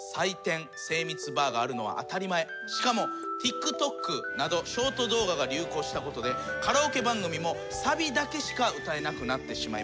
しかもＴｉｋＴｏｋなどショート動画が流行したことでカラオケ番組もサビだけしか歌えなくなってしまいました。